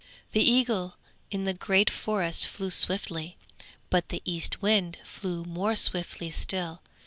The eagle in the great forest flew swiftly, but the Eastwind flew more swiftly still.